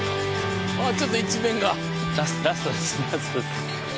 ちょっと一面が。